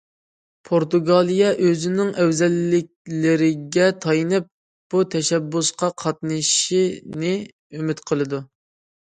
پورتۇگالىيە ئۆزىنىڭ ئەۋزەللىكلىرىگە تايىنىپ، بۇ تەشەببۇسقا قاتنىشىشنى ئۈمىد قىلىدۇ.